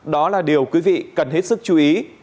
đó là điều quý vị cần hết sức chú ý